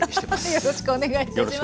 よろしくお願いします。